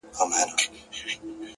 هره هڅه بې اغېزې نه پاتې کېږي،